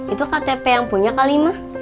itu ktp yang punya kali mah